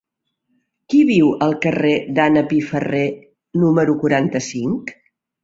Qui viu al carrer d'Anna Piferrer número quaranta-cinc?